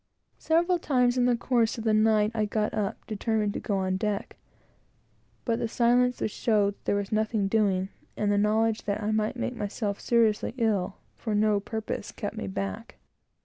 Several times, in the course of the night, I got up, determined to go on deck; but the silence which showed that there was nothing doing, and the knowledge that I might make myself seriously ill, for nothing, kept me back.